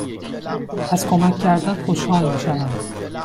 از کمک کردن خوشحال می شوم.